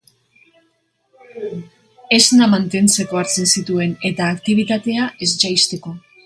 Esna mantentzeko hartzen zituen eta aktibitatea ez jaisteko.